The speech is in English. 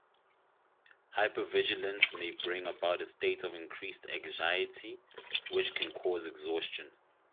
Hypervigilance may bring about a state of increased anxiety which can cause exhaustion.